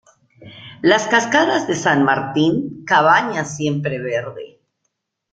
Las Cascadas de San Martín, Cabañas Siempre Verde